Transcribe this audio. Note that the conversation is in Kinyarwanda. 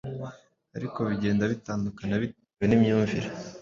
ariko bigenda bitandukana bitewe n’imyumvire